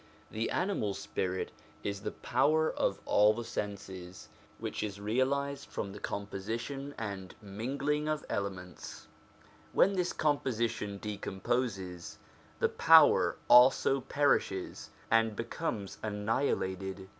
The animal spirit is the power of all the senses, which is realised from the composition and mingling of elements; when this composition decomposes, the power also perishes and becomes annihilated.